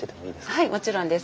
はいもちろんです。